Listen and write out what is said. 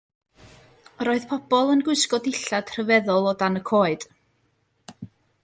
Roedd pobl yn gwisgo dillad rhyfeddol o dan y coed.